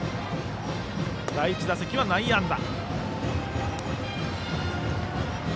第１打席は内野安打。